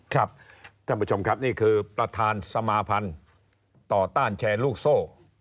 ท่านผู้ชมครับนี่คือประธานสมาพันธ์ต่อต้านแชร์ลูกโซ่